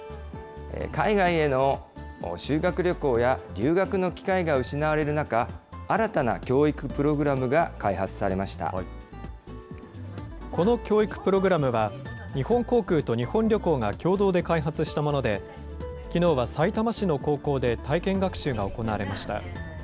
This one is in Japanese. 海外への修学旅行や留学の機会が失われる中、新たな教育プログラこの教育プログラムは、日本航空と日本旅行が共同で開発したもので、きのうは、さいたま市の高校で、体験学習が行われました。